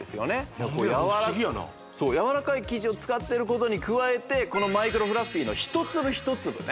何でや不思議やなやわらかい生地を使ってることに加えてこのマイクロフラッフィーの１粒１粒ね